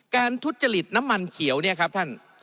ทุจริตน้ำมันเขียวเนี่ยครับท่าน